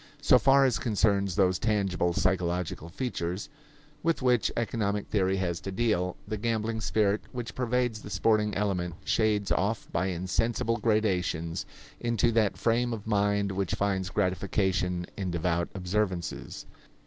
So far as concerns those tangible psychological features with which economic theory has to deal, the gambling spirit which pervades the sporting element shades off by insensible gradations into that frame of mind which finds gratification in devout observances.